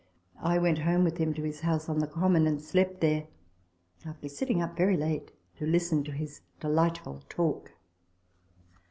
I went home with him to his house on the Common, and slept there, after sitting up very late to listen to his delightful talk.